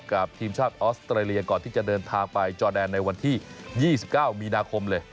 กับทีมชาติออสเตรเลียก่อนที่จะเดินทางไปจอแดนในวันที่๒๙มีนาคมเลย